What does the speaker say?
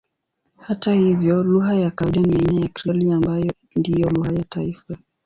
Hata hivyo lugha ya kawaida ni aina ya Krioli ambayo ndiyo lugha ya taifa.